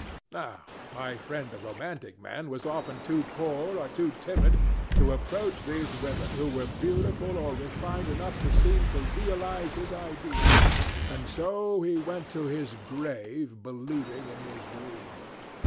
Now my friend the romantic man was often too poor or too timid to approach those women who were beautiful or refined enough to seem to realize his ideal; and so he went to his grave believing in his dream.